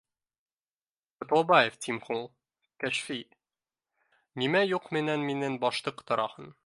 — Ҡотлобаев, тим, һуң Кәшфи, нимә юҡ менән минең башты ҡатыраһың